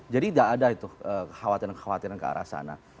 jadi tidak ada itu khawatiran khawatiran ke arah sana